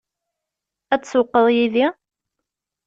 Ad tsewwqeḍ yid-i?